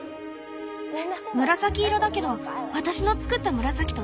紫色だけど私の作った紫と全然違う。